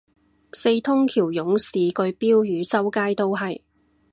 四通橋勇士句標語周街都係